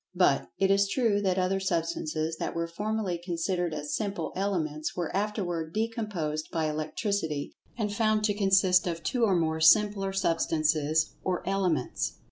But, it is true that other substances that were formerly considered as simple elements were afterward decomposed by electricity, and found to consist of two or more simpler substances or elements.